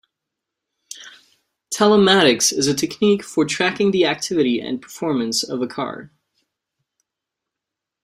Telematics is a technique for tracking the activity and performance of a car.